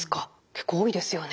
結構多いですよね。